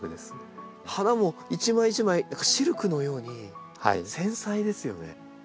花も一枚一枚シルクのように繊細ですよね。